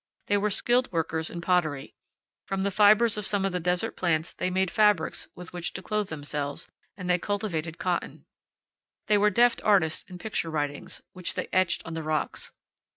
They were skilled workers in pottery. From the fibers of some of the desert plants they made fabrics with which to clothe themselves, and they cultivated cotton. They were deft artists in picture writings, which they etched on the rocks.